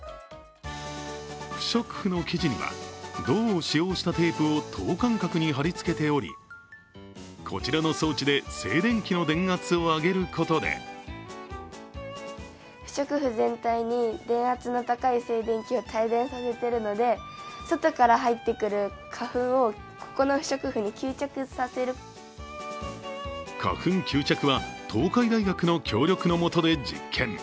不織布の生地には、銅を使用したテープを等間隔に貼りつけており、こちらの装置で静電気の電圧を上げることで花粉吸着は東海大学の協力のもとで実験。